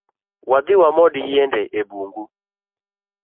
Wadhii wamod yiende e bung’u